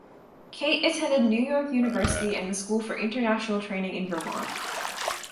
Kate attended New York University and the School for International Training in Vermont.